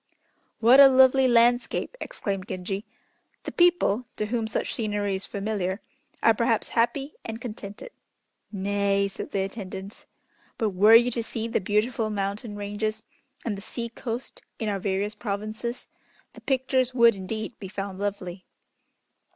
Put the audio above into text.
"What a lovely landscape!" exclaimed Genji. "The people to whom such scenery is familiar, are perhaps happy and contented." "Nay," said the attendants, "but were you to see the beautiful mountain ranges and the sea coast in our various provinces, the pictures would indeed be found lovely."